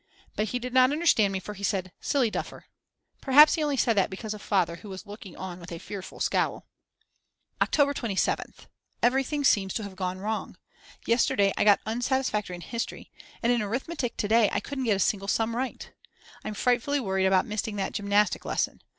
But he did not understand me for he said: Silly duffer. Perhaps he only said that because of Father who was looking on with a fearful scowl. October 27th. Everything seems to have gone wrong. Yesterday I got unsatisfactory in history, and in arithmetic to day I couldn't get a single sum right. I'm frightfully worried about missing that gymnastic lesson.